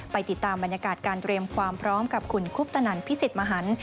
ติดตามบรรยากาศการเตรียมความพร้อมกับคุณคุปตนันพิสิทธิ์มหัน